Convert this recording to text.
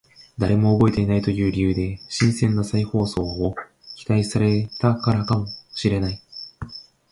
誰も覚えていないという理由で新鮮な再放送を期待されたからかもしれない